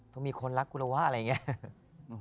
ต้องมีคนรักกูแล้ววะอะไรอย่างนี้